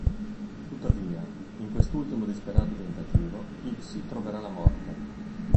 Tuttavia, in quest'ultimo disperato tentativo, Hicks troverà la morte.